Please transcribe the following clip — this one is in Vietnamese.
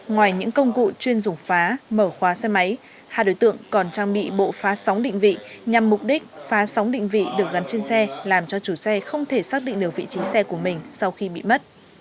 ngoài những công cụ chuyên dùng phá mở khóa xe máy hai đối tượng còn trang bị bộ phá sóng định vị nhằm mục đích phá sóng định vị được gắn trên xe làm cho chủ xe không thể xác định được vị trí xe của mình sau khi bị mất